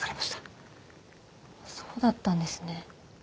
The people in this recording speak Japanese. そうだったんですね。